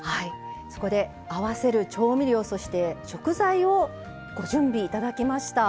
そこで合わせる調味料そして食材をご準備いただきました。